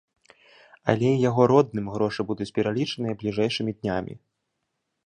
Але і яго родным грошы будуць пералічаныя бліжэйшымі днямі.